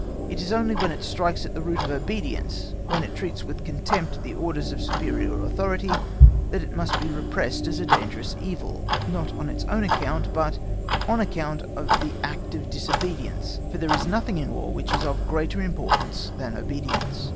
It is only when it strikes at the root of obedience, when it treats with contempt the orders of superior authority, that it must be repressed as a dangerous evil, not on its own account but on account of the act of disobedience, for there is nothing in War which is of greater importance than obedience.